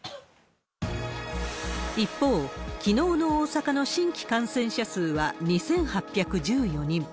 一方、きのうの大阪の新規感染者数は２８１４人。